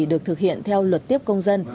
được thực hiện theo luật tiếp công dân